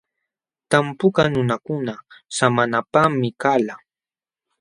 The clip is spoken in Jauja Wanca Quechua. Tampukaq nunakuna samanapaqmi kalqa.